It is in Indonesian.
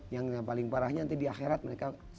yang paling parahnya nanti di akhirat mereka